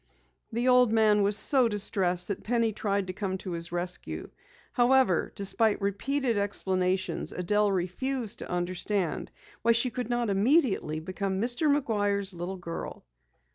The old man was so distressed that Penny tried to come to his rescue. However, despite repeated explanations, Adelle refused to understand why she could not immediately become Mr. McGuire's little girl.